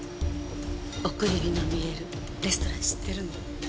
送り火の見えるレストラン知ってるの。